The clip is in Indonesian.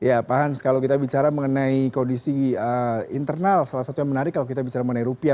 ya pak hans kalau kita bicara mengenai kondisi internal salah satu yang menarik kalau kita bicara mengenai rupiah